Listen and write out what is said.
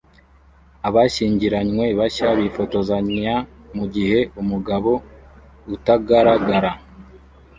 Abashyingiranywe bashya bifotozanya mugihe umugabo utagaragara